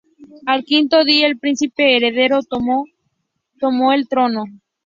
Al quinto día el príncipe heredero Ōtomo tomó al trono".